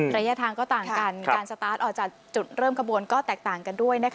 ระยะทางก็ต่างกันการสตาร์ทออกจากจุดเริ่มขบวนก็แตกต่างกันด้วย